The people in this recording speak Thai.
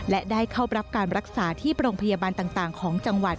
และได้เข้ารับการรักษาที่โรงพยาบาลต่างของจังหวัด